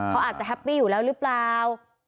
เขาอาจจะแฮปปี้อยู่แล้วหรือเปล่า